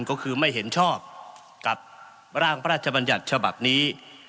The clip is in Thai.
ก็คือไม่เห็นชอบกับร่างพระราชบัญญัติฉบับนี้